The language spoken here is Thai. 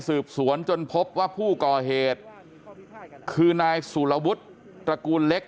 สืบสวนจนพบว่าผู้ก่อเหตุคือนายสุรวุฒิตระกูลเล็ก